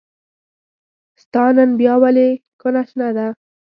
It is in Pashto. ستا نن بيا ولې کونه شنه ده